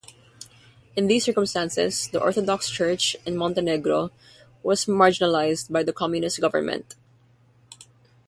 In these circumstances the Orthodox Church in Montenegro was marginalized by the Communist government.